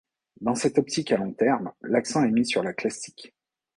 Dans cette optique à long terme, l’accent est mis sur la classique.